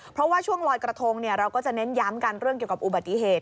เพราะว่าช่วงลอยกระทงเราก็จะเน้นย้ำกันเรื่องเกี่ยวกับอุบัติเหตุ